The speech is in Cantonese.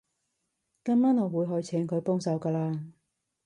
今晚我會去請佢幫手㗎喇